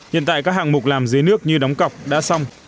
hiện tại các hạng mục làm dưới nước như đóng cọc đã xong